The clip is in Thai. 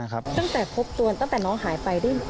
ตั้งแต่พบตัวตั้งแต่น้องหายไป